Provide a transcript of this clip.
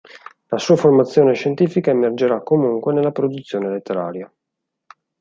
La sua formazione scientifica emergerà comunque nella produzione letteraria.